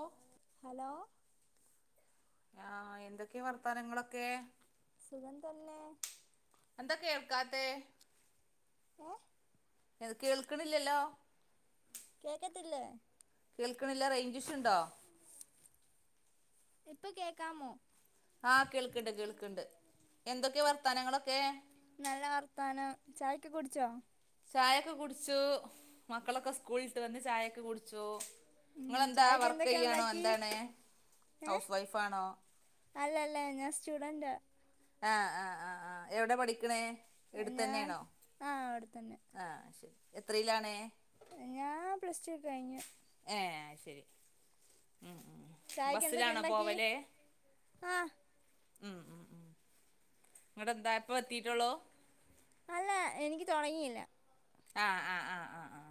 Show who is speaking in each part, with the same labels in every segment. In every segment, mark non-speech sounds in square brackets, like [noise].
Speaker 1: ഓഹ്
Speaker 2: hello
Speaker 1: ആഹ് എന്തൊക്കെയ വർത്താനങ്ങളൊക്കെ
Speaker 2: സുഖം തന്നെ
Speaker 1: എന്താ കേൾക്കാത്ത
Speaker 2: ഏഹ്
Speaker 1: ത് കേൾക്കണില്ലല്ലോ
Speaker 2: കേക്കത്തില്ലേ
Speaker 1: കേൾക്കണില്ല റേഞ്ച് ഇഷ്യൂ ഉണ്ടോ
Speaker 2: ഇപ്പ കേക്കാമോ
Speaker 1: ആ കേൾക്കണ്ട് കേൾക്കണ്ട് എന്തൊക്കെയാ വർത്താനങ്ങളൊക്കെ
Speaker 2: നല്ല വർത്താനം ചായൊക്കെ കുടിച്ചോ
Speaker 1: ചായൊക്കെ കുടിച്ചു മക്കളൊക്കെ സ്കൂളിട്ടുവന്ന് ചായൊക്കെ കുടിച്ചു
Speaker 2: ഉം
Speaker 1: നിങ്ങളെന്താ
Speaker 2: ചായക്ക്
Speaker 1: വർക്ക്
Speaker 2: എന്തൊക്കെ
Speaker 1: ചെയ്യാണോ
Speaker 2: ഉണ്ടാക്കി
Speaker 1: എന്താണ് ഹൗസ് വൈഫാണോ
Speaker 2: അല്ല അല്ല ഞാൻ സ്റ്റുഡന്റാ
Speaker 1: ആ ആ ആ ആ എവിടാ പഠിക്കണേ ഇവിടെ
Speaker 2: ഞാൻ
Speaker 1: തന്നെയാണോ
Speaker 2: ആ അവിടെ തന്നെ
Speaker 1: ആ ശെരി എത്രയിലാണേ
Speaker 2: ഞാൻ പ്ലസ്ടു കഴിഞ്ഞു
Speaker 1: ഏ ശെരി ഉം ഉം
Speaker 2: ചായക്ക് എന്തൊക്കെ
Speaker 1: ബസ്സിലാണോ
Speaker 2: ഉണ്ടാക്കി
Speaker 1: പോവല്
Speaker 2: ആ
Speaker 1: ഉം ഉം ഉം ഇങ്ങട് എന്താ ഇപ്പ എത്തിട്ടൊള്ളു
Speaker 2: അല്ല എനിക്ക് തൊടങ്ങിയില്ല
Speaker 1: ആ ആ ആ ആ ആ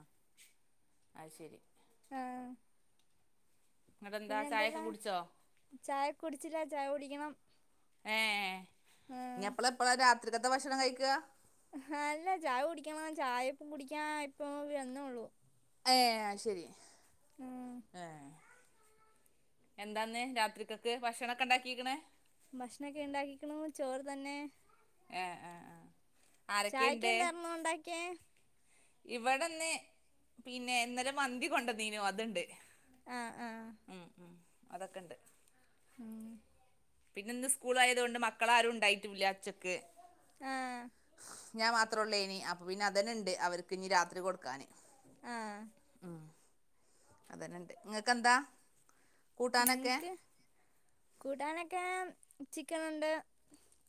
Speaker 1: അയ്ശെരി
Speaker 2: ആ
Speaker 1: എന്നിട്ടെന്താ
Speaker 2: പിന്നെ
Speaker 1: ചായൊക്കെ
Speaker 2: എന്തെല്ലാ
Speaker 1: കുടിച്ചോ
Speaker 2: ചായകുടിച്ചില്ല ചായകുടിക്കണം
Speaker 1: ഏ ഇനിഎപ്പളാ എപ്പളാ രാത്രിക്കത്തെ ഭക്ഷണം കഴിക്കുക
Speaker 2: ഹാ അല്ല ചായകുടിക്കാൻ പോവാൻ ചായപ്പ കുടിക്കാൻ ഇപ്പൊ വന്നെയൊള്ളൂ
Speaker 1: ഏഹ് അയ്ശെരി
Speaker 2: ഉം
Speaker 1: ഏഹ് എന്താന്നേ രാത്രിക്കൊക്കെ ഭക്ഷണൊക്കെ ഒണ്ടാക്കിക്കണെ
Speaker 2: ഭക്ഷണൊക്കെ ഒണ്ടാക്കിക്കണു ചോറുതന്നെ
Speaker 1: ആ ആ ആ
Speaker 2: ചായക്കെന്തായിരുന്നു ഒണ്ടാക്കിയേ
Speaker 1: ഇവിടെന്ന് പിന്നെ ഇന്നലെമന്തി കൊണ്ടന്നീനു അതുണ്ട്
Speaker 2: ആ ആ
Speaker 1: അതെക്കെണ്ട്
Speaker 2: ആ
Speaker 1: പിന്നെ ഇന്ന് സ്കൂളായതുകൊണ്ട് മക്കളാരും ഉണ്ടായിട്ടൂല്ലാ ഉച്ചക്ക്
Speaker 2: ആ
Speaker 1: ഞാൻ മാത്രയൊള്ളേയിനി അപ്പൊ പിന്നെ അതന്നെണ്ട് അവർക്കിനി രാത്രികൊടുക്കാന്
Speaker 2: ആ
Speaker 1: ഉം അതന്നെണ്ട് നിങ്ങക്കെന്താ കൂട്ടാനൊക്കെ
Speaker 2: ഞങ്ങ്ക്ക് കൂട്ടാനൊക്കെ ചിക്കനൊണ്ട്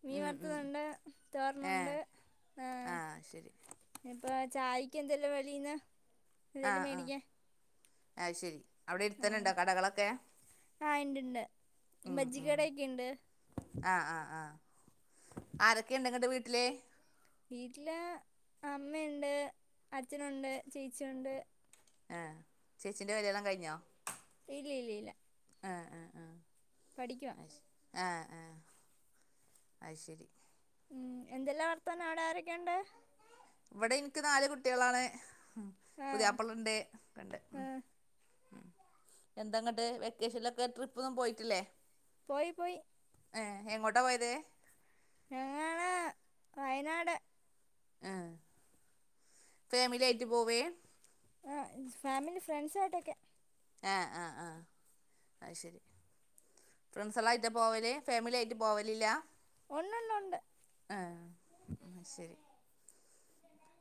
Speaker 2: മീൻ
Speaker 1: ഉം ഉം
Speaker 2: വറുത്തതൊണ്ട്
Speaker 1: ഏ
Speaker 2: തോരനൊണ്ട്
Speaker 1: ആഹ് ശരി
Speaker 2: ഇപ്പോ ചായക്ക് എന്തെല്ലോ വെളീന്ന്
Speaker 1: ആ ആ അയ്ശെരി.
Speaker 2: ആ ആ ഇണ്ടിണ്ട് ബജിക്കടക്കെ ഇണ്ട്.
Speaker 1: ആ ആ ആ ആരൊക്കെണ്ട് ഇങ്ങടെ വീട്ടില്
Speaker 2: വീട്ടില് അമ്മയൊണ്ട് അച്ഛനൊണ്ട് ചേച്ചിയൊണ്ട്.
Speaker 1: ആ ചേച്ചിന്റേ കല്യാണം കഴിഞ്ഞോ
Speaker 2: ഇല്ല ഇല്ല ഇല്ല പഠിക്കുവാ
Speaker 1: ആ ആ അയ്ശെരി
Speaker 2: ഉം എന്തെല്ലാം വർത്താനാണ് ആരൊക്കെയൊണ്ട്
Speaker 1: ഇവിടെ എനിക്ക് നാലുകുട്ടികളാണ്
Speaker 2: ആ
Speaker 1: പുതിയാപ്ളയൊണ്ട്.
Speaker 2: ആ
Speaker 1: എന്താങ്ങോട്ട് വെക്കേഷനിലൊക്കെ ട്രിപ്പൊന്നും പോയിട്ടില്ലേ
Speaker 2: പോയി പോയി.
Speaker 1: ഏ എങ്ങോട്ടാ പോയത്.
Speaker 2: ഞങ്ങള് വയനാട്
Speaker 1: ആ ഫാമിലിയായിട്ട് പോവേ
Speaker 2: ആ ഫാമിലി ഫ്രണ്ട്സായിട്ടൊക്കെ
Speaker 1: ആഹ് ആഹ് ആഹ് അഹ് ശരി. ഫ്രണ്ട്സുകള് ആയിട്ട പോവല് ഫാമിലി ആയിട്ട് പോവലില്ല
Speaker 2: ഉണ്ട് ണ്ട് ഉണ്ട്-
Speaker 1: എഹ് ആഹ് ശരി.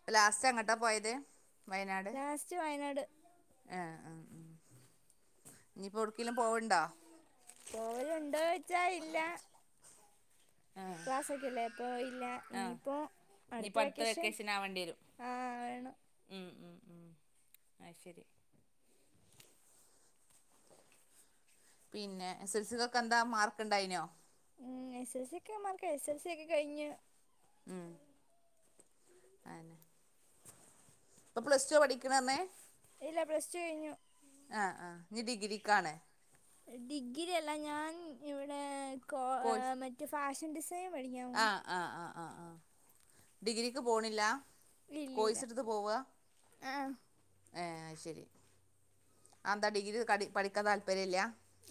Speaker 1: പ ലാസ്റ്റ് എങ്ങട്ടാ പോയത് വയനാട്-
Speaker 2: ലാസ്റ്റ് വയനാട്
Speaker 1: എഹ് ഉം ഉം ഇനിയിപ്പോ എവിടേക്കെങ്കിലു പോവ്ണ്ടോ?
Speaker 2: പോവലണ്ടോയ്ച്ച ഇല്ല.
Speaker 1: ആഹ്
Speaker 2: ക്ലാസ് ഒക്കെല്ലേ അപ്പോ ഇല്ല ഇനിയിപ്പോ അടുത്ത വെക്കേഷൻ.
Speaker 1: ആവണ്ടെരു
Speaker 2: ആഹ് വേണം
Speaker 1: ഉം ഉം ഉം അയ്ശെരി. പിന്നെ എസ് എസ് ൽ സി ഒക്കെ എന്താ മാർക്ക് ഉണ്ടായിനോ?
Speaker 2: ഉം എസ് എസ് സി ക്കെ മർക്ക എസ് എസ് സ ഒക്കെ കഴിഞ്ഞ്
Speaker 1: ഉം അഎന്നെ ഇപ്പോ പ്ലസ് ടു പഠിക്കണർഞ്ഞെ
Speaker 2: ഇല്ല പ്ലസ് ടു കഴിഞ്ഞു.
Speaker 1: ആഹ് ആഹ് ഇനി ഡിഗ്രിക്കാണ്.
Speaker 2: ഡിഗ്രി അല്ല ഞാൻ ഇവിടെ കോ
Speaker 1: കോഴ്സ്
Speaker 2: ഏഹ് മറ്റെ ഫാഷൻ ഡിസ് ദേ [unintelligible]
Speaker 1: ആഹ് ആഹ് ആഹ് ആഹ് ഡിഗ്രിക്ക് പോണില്ല കോയ്സെടുത്ത് പോവ
Speaker 2: ഏഹ്
Speaker 1: ഏഹ് ശരി ആന്താ ഡിഗ്രി ക പഠിക്കാൻ താല്പര്യല്ല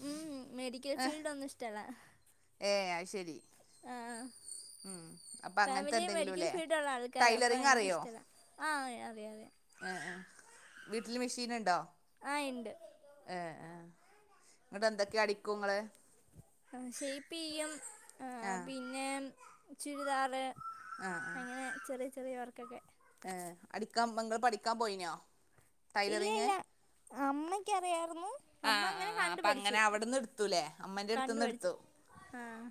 Speaker 2: ഉം ഉം മെഡിക്കൽ ഫീൽഡ് ഒന്നും ഇഷ്ടല്ല.
Speaker 1: ഏഹ് അയ്ശരി. ഉം. അപ്പം അങ്ങനത്തെ
Speaker 2: ഫാമിലി മെഡിക്കൽ
Speaker 1: എന്തെങ്കിലുംല്ലേ
Speaker 2: ഫീൽഡ് ഉള്ള ആൾക്കാര അപ്പോ
Speaker 1: ടൈലറിങ് അറിയോ
Speaker 2: എനിക്കിഷ്ടല്ല ആഹ് അറിയ അറിയെ-
Speaker 1: ഏഹ് ഏഹ് വീട്ടില് മെഷീന് ണ്ടോ?
Speaker 2: ആഹ് ഇണ്ട്.
Speaker 1: ഏഹ് എഹ് ഇങ്ങട്ട് എന്തൊക്കെ അടിക്കും ങ്ങള്
Speaker 2: എഹ് ഷേപ്പ്യ്യും ആഹ് പിന്നെ ചുരിദാറ് അങ്ങനെ ചെറിയ ചെറിയ വർക്കൊക്കെ
Speaker 1: ഏഹ് അടിക്കാൻ മ ങ്ങൾ പഠിക്കാൻ പോയിനോ?
Speaker 2: ഇല്ല
Speaker 1: ടൈലറിങ്
Speaker 2: ഇല്ല അമ്മയ്ക്ക് അറിയായിരുന്നു. അപ്പോ
Speaker 1: ആഹ്
Speaker 2: അങ്ങനെ
Speaker 1: ആഹ് ആഹ് അപ്പം
Speaker 2: കണ്ടുപഠിച്ചു
Speaker 1: അങ്ങനെ അവിടുന്ന് എടുത്തൂല്ലേ അമ്മേൻ്റെ അടുത്തുന്ന്
Speaker 2: കണ്ടുപഠിച്ചു.
Speaker 1: എടുത്തു
Speaker 2: ആഹ്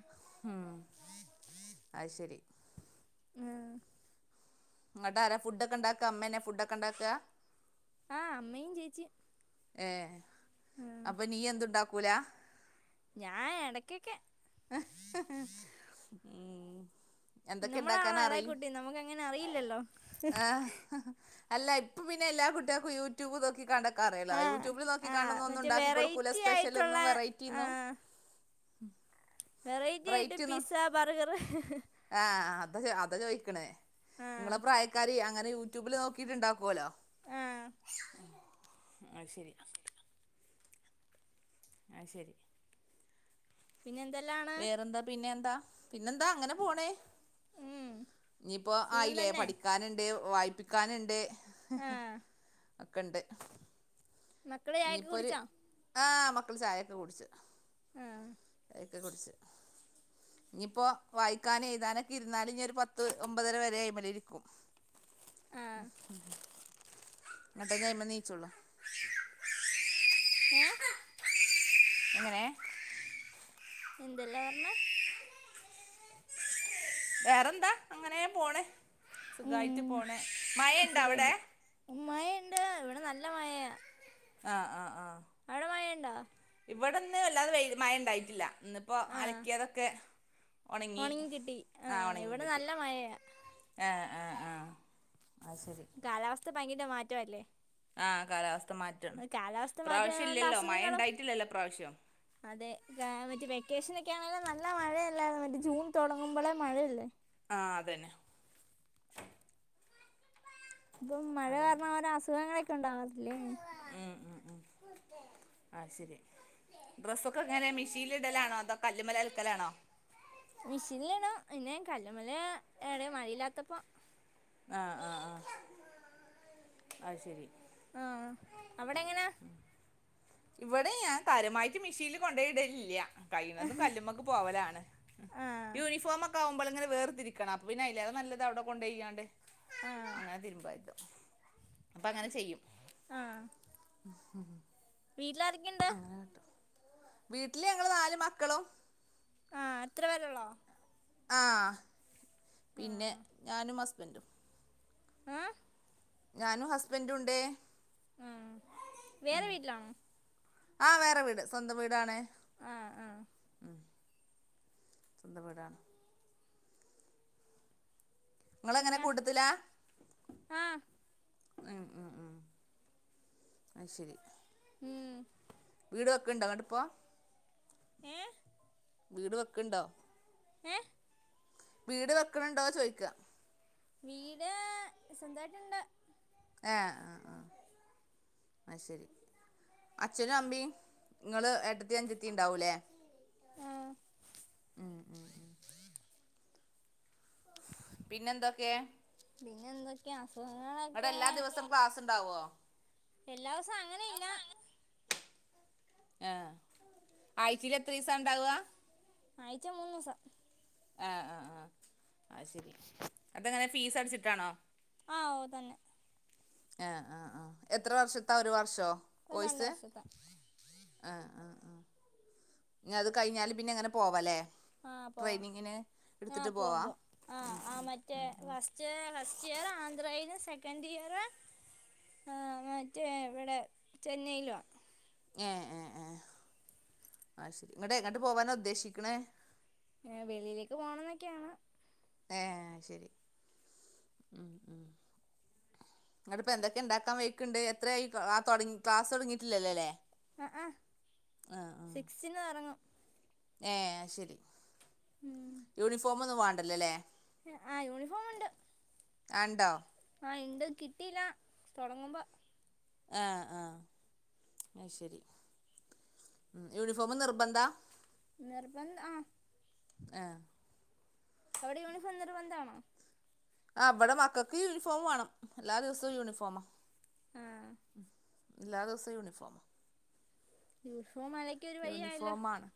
Speaker 1: അഹ് ശരി
Speaker 2: ഏഹ്
Speaker 1: ങ്ങട്ടാര ഫുഡൊക്കെ ണ്ടാക്ക അമ്മെന്നെ ഫുഡൊക്കെണ്ടാക്ക
Speaker 2: ആഹ് അമ്മയും ചേച്ചി
Speaker 1: ഏഹ് അപ്പം നീ എന്തുണ്ടാക്കൂല
Speaker 2: ഞാ എടക്കൊക്കെ
Speaker 1: ഉം എന്തൊക്കെണ്ടാക്കാൻ
Speaker 2: നമ്മളാണോ ഇളയ
Speaker 1: അറിയും
Speaker 2: കുട്ടി നമുക്കങ്ങനെ അറിയില്ലല്ലോ
Speaker 1: ഏഹ് അല്ല ഇപ്പൊ പിന്നെ എല്ലാ കുട്ട്യേക്കും യൂട്യൂബ് നോക്കികാണ്ട് കറ്യല്ലോ
Speaker 2: ആ
Speaker 1: യൂട്യൂബിൽ
Speaker 2: ആ
Speaker 1: നോക്കിക്കാണ്ടൊന്നും
Speaker 2: മറ്റേ
Speaker 1: ഉണ്ടാക്കി കൊടുക്കൂല്ല
Speaker 2: വെറൈറ്റി ആയിട്ടുള്ള
Speaker 1: സ്പെഷ്യലൊന്നും
Speaker 2: ആ
Speaker 1: വെററ്റിന്നും
Speaker 2: വെറൈറ്റി ആയിട്ട് പിസ്സ ബർഗർ
Speaker 1: ആഹ് അഹ് അത അത ചോയ്ക്ക്ണേ നിങ്ങളെ
Speaker 2: ആഹ്
Speaker 1: പ്രായക്കാര് അങ്ങനെ യൂട്യൂബിൽ നോക്കിയിട്ട്ണ്ടാക്കോല്ലോ
Speaker 2: ഏഹ്
Speaker 1: അഹ് ശരി അഹ് ശരി
Speaker 2: പിന്നെന്തെല്ലാ
Speaker 1: വേറെന്താ പിന്നെന്താ പിന്നെന്താ അങ്ങനെ പോണേ
Speaker 2: ഉം
Speaker 1: ഇനിയിപ്പോ
Speaker 2: സുഖം
Speaker 1: ആയില്ലേ
Speaker 2: തന്നെ
Speaker 1: പഠിക്കാന്ണ്ട് വായിപ്പിക്കാനുണ്ട്
Speaker 2: ആഹ്
Speaker 1: ഒക്കണ്ട്
Speaker 2: മക്കള് ചായൊക്കെ
Speaker 1: ഇനിയിപ്പൊരു
Speaker 2: കുടിച്ചോ
Speaker 1: ആഹ് മക്കള് ചായൊക്കെ കുടിച്ചു
Speaker 2: ആഹ്
Speaker 1: ചായൊക്ക കുടിച്ചു ഇനിയിപ്പോ വായിക്കാനും എഴുതാനൊക്കെ ഇരുന്നാല് ഇനിപൊ ഒരു പത്ത് ഒമ്പതര വരെ അയ്മല് ഇരിക്കും
Speaker 2: ആഹ്
Speaker 1: ങ്ങട്ടേ അയ്മന്ന് നീച്ചൊളൂ
Speaker 2: ഏഹ്
Speaker 1: എങ്ങനെ
Speaker 2: എന്തല്ലാ പറഞ്ഞെ
Speaker 1: [inaudible] വേറെന്താ അങ്ങനെ പോണ് സുഖായിട്ട്
Speaker 2: ഉം
Speaker 1: പോണ് മഴ ഇണ്ടോ അവിടെ
Speaker 2: മഴണ്ട് ഇവിടെ നല്ല മഴയ
Speaker 1: ആഹ് ആഹ് ആഹ്
Speaker 2: അടമയണ്ടോ
Speaker 1: ഇവിടന്ന് വല്ലാതെ വ മഴ ഉണ്ടായിട്ടില്ല ഇന്നിപ്പോ
Speaker 2: ആഹ്
Speaker 1: അലക്കിയതൊക്കെ ഉണങ്ങി
Speaker 2: ഒണങ്ങി കിട്ടി
Speaker 1: ആ
Speaker 2: ആഹ് ഇവിടെ
Speaker 1: ഉണങ്ങിക്കിട്ട്
Speaker 2: നല്ല മഴയാ
Speaker 1: ആ ആ ആ ആയ് ശരി
Speaker 2: കാലാവസ്ഥ ഭയങ്കര മാറ്റംല്ലേ
Speaker 1: ആഹ് കാലാവസ്ഥ മാറ്റാണ്
Speaker 2: കാലാവസ്ഥ
Speaker 1: ഇപ്രാവശ്യം
Speaker 2: മാറ്റമുണ്ട്
Speaker 1: ഇല്ലല്ലോ മഴ
Speaker 2: അസുഖങ്ങളും
Speaker 1: ഉണ്ടായിട്ടില്ലല്ലോ പ്രാവശ്യം
Speaker 2: അതെ മറ്റേ വെക്കേഷനൊക്കെ ആണേലും നല്ല മഴയല്ല മറ്റേ ജൂൺ തുടങ്ങുമ്പോളെ മഴയല്ലേ
Speaker 1: ആഹ് അതന്നെ
Speaker 2: ഇപ്പം മഴ
Speaker 1: അതന്നെ
Speaker 2: കാരണം അവര അസുഖങ്ങളൊക്കെ ഉണ്ടാവത്തില്ലേ
Speaker 1: ഉം ഉം ഉം ആയ്ശരി ഡ്രസ്സൊക്കെ എങ്ങനെ മിഷീനില് ഇടലാണോ അതോ കല്ല്മ്മല് അലക്കലാണോ
Speaker 2: മെഷീനില്ണോ പിന്നെ കല്ലുമല് ടെ മഴയില്ലാത്തപ്പോ
Speaker 1: ആഹ് ആഹ് ആഹ് അത്ശെരി
Speaker 2: ആഹ് അവിടെങ്ങനാ
Speaker 1: ഇവിടെ ഞാൻ കാര്യമായിട്ട് മിഷീനില് കൊണ്ടോയിടലില്ല കഴുന്നതും കല്ലുമ്മക്കെ പോവലാണ്
Speaker 2: ആ
Speaker 1: യൂണിഫോമൊക്കെ ആവുമ്പ ഇങ്ങെ വേർതിരിക്കണം അപ്പോൾ പിന്നെ അല്ലാതെ നല്ലതാണ് അവിടെ കൊണ്ടണ്ട് ചെയ്യാണ്ട്
Speaker 2: ആ
Speaker 1: അങ്ങനെ തിരുമ്പായിരുന്നു അപ്പൊ അങ്ങനെ ചെയ്യും
Speaker 2: ആഹ്
Speaker 1: [inaudible]
Speaker 2: വീട്ടിലാരെക്കെണ്ട്
Speaker 1: അങ്ങനെ കേട്ടോ വീട്ടില് ഞങ്ങള്ൾ നാല് മക്കളും
Speaker 2: ആ എത്ര വേരെള്ളോ
Speaker 1: ആഹ്
Speaker 2: ആ
Speaker 1: പിന്നെ ഞാനും ഹസ്ബന്റും
Speaker 2: ആഹ്
Speaker 1: ഞാനും ഹസ്ബൻറ ഉണ്ട്േ
Speaker 2: ഉം വേറെ വീട്ടിലാണോ
Speaker 1: ആഹ് വേറെ വീട് സ്വന്തം വീടണ
Speaker 2: ആഹ് ആഹ്
Speaker 1: സ്വന്ത വീടാണ് നിങ്ങളങ്ങനെ
Speaker 2: പിന്നെ
Speaker 1: കൂട്ടത്തില
Speaker 2: ആ
Speaker 1: ഉം ഉം ഉം അ ശരി
Speaker 2: ഉം
Speaker 1: വീട് വെക്കെണ്ടോട്ട ഇപ്പോ
Speaker 2: ഏഹ്
Speaker 1: വീട് വെക്കണ്ടോ
Speaker 2: ഏഹ്
Speaker 1: വീട് വെക്കണണ്ടോ ചോയക്ക
Speaker 2: വീട് സ്വന്തമായിട്ടുണ്ട്.
Speaker 1: ആഹ ആഹ ആഹ ആ ശരി അച്ഛനും അമ്മിയും നിങ്ങൾ എട്ടത്തി അഞ്ചത്തി ഉണ്ടാവല്ലേ?
Speaker 2: ആ
Speaker 1: ഉം ഉം ഉം പിന്നെന്തൊക്കെ?
Speaker 2: പിന്നെ എന്തൊക്കെയാ അസുഖങ്ങളൊക്കെ
Speaker 1: പാസ് ഉണ്ടാവോ?
Speaker 2: എല്ലാവസ അങ്ങനെയ ഇല്ല.
Speaker 1: [unintelligible] ആ ആഴ്ചൽ എത്ര ദിവസ ഉണ്ടാവുക?
Speaker 2: ആയ്ച്ച മൂന്നോസം
Speaker 1: ആ ആ ആ ആ ശരി അതെങ്ങനെ ഫീസ് അടിച്ചിട്ടാണോ?
Speaker 2: ആ ഓതന്നെ
Speaker 1: ആഹ ആ ആ എത്ര വർഷത്താ ഒരു വർഷോ
Speaker 2: ഒരു രണ്ട്
Speaker 1: കോയ്സ്?
Speaker 2: വർഷത്തെ
Speaker 1: ആ ആ അത് കഴിഞ്ഞാല് പിന്നെ അങ്ങനെ പോവല്ലേ?
Speaker 2: ആഹ് പോവാം ആഹ പോവാൻ പോവാ ആഹ് ആ മറ്റ ഫസ്റ്റ് ഫസ്റ്റ് ഇയർ ആന്ധ്ര അയിന സെക്കൻ് ഇയർ ആഹ മറ്റേ ഇവിടെ ചെന്നൈയില
Speaker 1: ഏ ഏ ഏ ആ ശരി ഇങ്ങട്ട് എങ്ങോട്ട് പോവാനോ ഉദ്ദേശിക്കണേ?
Speaker 2: ഏ വെളിയിലേക്ക് പോകണംന്നൊക്കെയാണ്
Speaker 1: ഏ ശരി ഉം ഉ ങ്ങട്ട ഇപ്പപ്പോ എന്തൊക്കെ ഉണ്ടാക്കാൻ വഴക്കണ്ട് എത്രട ക്ലാസ് തുടങ്ങിട്ടില്ലല്ലോല്ലേ ആഹ ആഹ
Speaker 2: മക്സിന ഇറങ്ങും
Speaker 1: ഏർ ശരി
Speaker 2: ഉം
Speaker 1: യൂണിഫോമ ഒന്നും വേണ്ടല്ലോല്ലേ?
Speaker 2: ആ യൂണിഫോം ണ്ട്.
Speaker 1: ആണ്ടോ?
Speaker 2: ആഹ എന്ത കിട്ടല്ലാം തുടങ്ങുമ്പോ
Speaker 1: ആ ആ ആ ശരി യൂണിഫോം നിർബന്ധാ?
Speaker 2: നിർബന്ധ ആ
Speaker 1: ആഹ
Speaker 2: അവിടെ യൂണിഫോം നിർബന്ധാണോ?
Speaker 1: ആഹ് ഇവടെ മക്കക്ക് യൂണിഫോം വാണം എല്ലാ ദിവസവും യൂണിഫോമാ
Speaker 2: ആഹ്
Speaker 1: എല്ലാ ദിവസവും യൂണിഫോമ
Speaker 2: യൂണിഫോമാലെ
Speaker 1: യൂണിഫോമാണ്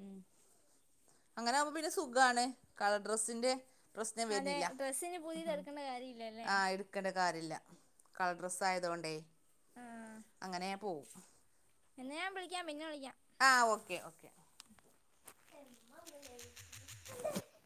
Speaker 1: ഉം അങ്ങനാവുമ്പോ പിന്നെ സുഖാണ് കളർ ഡ്രെസ്സിന്റെ പ്രശ്നം
Speaker 2: അതെ
Speaker 1: വരിണില്ല
Speaker 2: ഡ്രസ്സിന് പുതിയത് എടുക്കേണ്ട കാര്യമില്ലല്ലേ
Speaker 1: ആഹ് എടു ക്കണ്ട കാര്യല്ല കളർ ഡ്രെസ്സായതോണ്ടേ
Speaker 2: ആഹ്
Speaker 1: അങ്ങനേ പോവും
Speaker 2: എന്നാ ഞാൻ വിളിയ്ക്കാം പിന്നെ വിളിയ്ക്കാം.
Speaker 1: ആഹ് ഓക്കെ ഓക്കെ